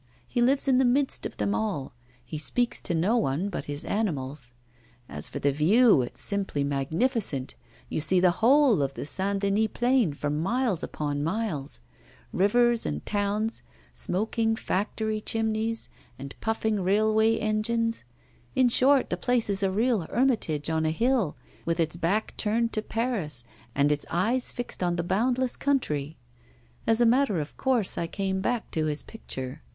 He lives in the midst of them all; he speaks to no one but his animals. As for the view, it's simply magnificent; you see the whole of the St. Denis plain for miles upon miles; rivers and towns, smoking factory chimneys, and puffing railway engines; in short, the place is a real hermitage on a hill, with its back turned to Paris and its eyes fixed on the boundless country. As a matter of course, I came back to his picture.